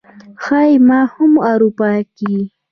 ښايي ما هم اروپا کې